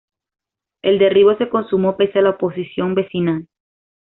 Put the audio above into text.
El derribo se consumó, pese a la oposición vecinal.